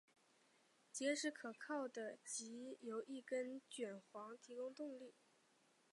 结实可靠的藉由一根卷簧提供动力。